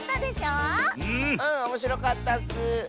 うんおもしろかったッス！